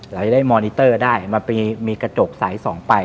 เราจะได้มอนิเตอร์ได้มันมีกระจกสายสองไป